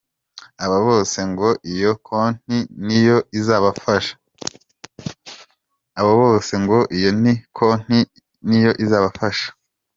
Abo bose ngo iyo konti niyo izabafasha.